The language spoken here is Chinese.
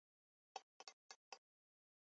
旋角牛是柬埔寨及越南的一种牛。